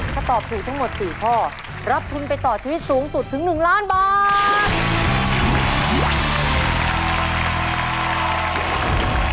ถ้าตอบถูกทั้งหมด๔ข้อรับทุนไปต่อชีวิตสูงสุดถึง๑ล้านบาท